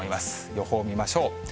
予報を見ましょう。